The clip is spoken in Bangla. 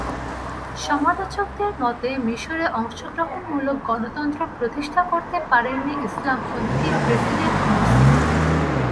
সমালোচকদের মতে, মিসরে অংশগ্রহণমূলক গণতন্ত্র প্রতিষ্ঠা করতে পারেননি ইসলামপন্থী প্রেসিডেন্ট মুরসি।